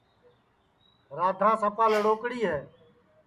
رادھاں سپا لڑوکڑی ہے